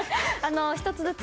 １つずつ。